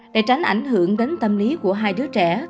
để tránh ảnh hưởng đến tâm lý của hai đứa trẻ